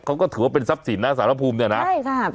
เขาก็ถือว่าเป็นซับสินน่ะศาลภูมิเนี่ยนะใช่คะ